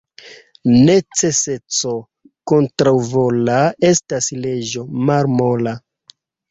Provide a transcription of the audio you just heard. Neceseco kontraŭvola estas leĝo malmola.